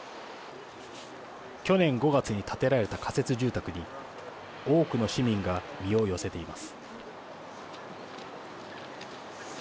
去年５月に建てられた仮設住宅に多くの市民が身を寄せています。